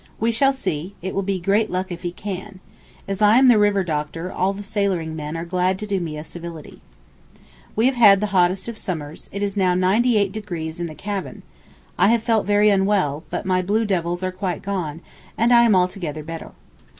We shall see; it will be great luck if he can. As I am the river doctor, all the sailoring men are glad to do me a civility. We have had the hottest of summers; it is now 98 in the cabin. I have felt very unwell, but my blue devils are quite gone, and I am altogether better.